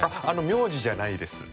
名字じゃないです。